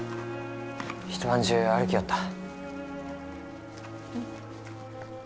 一晩中歩きよった。